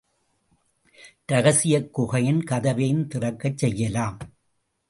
ரகசியக் குகையின் கதவையும் திறக்கச் செய்யலாம்.